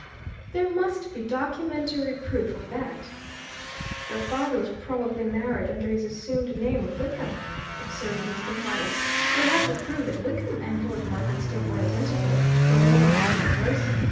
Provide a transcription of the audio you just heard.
There must be documentary proof of that." "Her father was probably married under his assumed name of Wickham," observed Mr. Carless. "You'll have to prove that Wickham and Lord Marketstoke were identical were one and the same person.